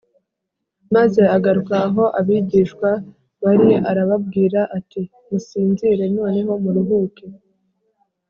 Maze agaruka aho abigishwa bari arababwira ati “Musinzire noneho muruhuke